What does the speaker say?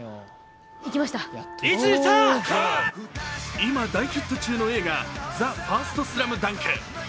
今、大ヒット中の映画、「ＴＨＥＦＩＲＳＴＳＬＡＭＤＵＮＫ」。